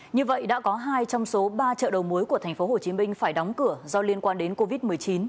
như vậy đã có hai trong số ba chợ đầu mối của tp hcm phải đóng cửa do liên quan đến covid một mươi chín